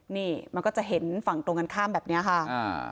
นี่มันก็จะเห็นฝั่งตรงกันข้ามแบบเนี้ยค่ะอ่า